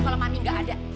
kalo mami gak ada